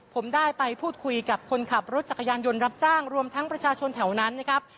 ผมได้ไปพูดคุยกับคนขับรถจักรยานยนต์รับจ้างรวมทั้งประชาชนแถวนั้นนะครับ